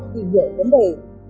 tìm hiểu vấn đề